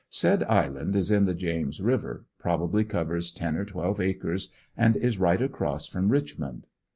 Said island is in the James River, probably covers ten or twelve acres, and is right across from Richmond.